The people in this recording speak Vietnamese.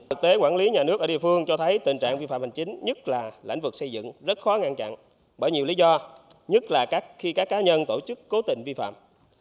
thực tế quản lý nhà nước ở địa phương cho thấy tình trạng vi phạm hành chính nhất là lĩnh vực xây dựng rất khó ngăn chặn bởi nhiều lý do nhất là khi các cá nhân tổ chức cố tình vi phạm